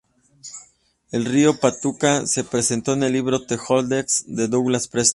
El río Patuca se presentó en el libro "The Codex" de Douglas Preston.